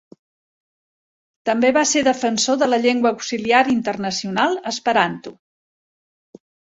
També va ser defensor de la llengua auxiliar internacional esperanto.